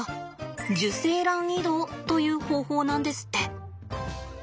受精卵移動という方法なんですって。